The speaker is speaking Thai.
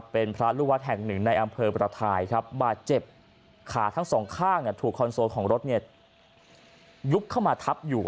เป็นพระลูกวัดแห่งหนึ่งในอำเภอประทายครับบาดเจ็บขาทั้งสองข้างถูกคอนโซลของรถยุบเข้ามาทับอยู่